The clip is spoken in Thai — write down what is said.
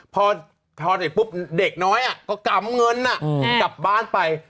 พอเด็กปุ๊บเด็กน้อยก็กำเงินกลับบ้านไป